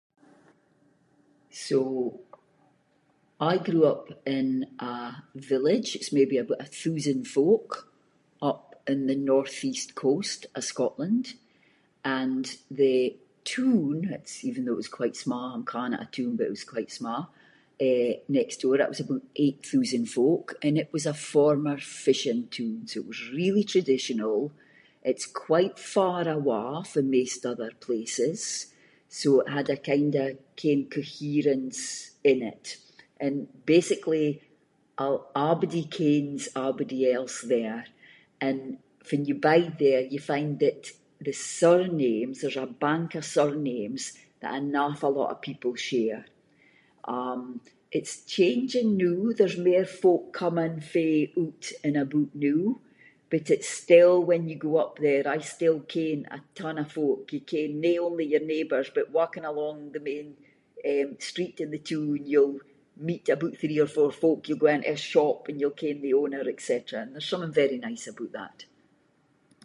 So, I grew up in a village, it’s maybe aboot a thoosand folk, up in the Northeast coast of Scotland, and the toon, it’s- even though it was quite sma', I’m ca’ing it a toon, but it was quite sma', eh, next door, that was aboot eight thoosand folk, and it was a former fishing toon, so it was really traditional, it’s quite far awa' fae maist other places. So it had a kind of ken, coherence in it. And basically, a- abody kens abody else there and fann you bide there you find that the surnames- there’s a bank of surnames that an awfu' lot of people share. Um, it’s changing noo, there’s mair folk coming fae oot and aboot noo, but it’s still when you go up there, I still ken a ton of folk, you ken no only your neighbours but walking along the main, eh, street in the toon you’ll meet aboot three or four folk, you’ll go into a shop and you’ll ken the owner et cetera, and there’s something very nice aboot that.